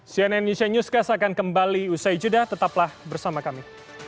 cnn indonesia newscast akan kembali usai jeda tetaplah bersama kami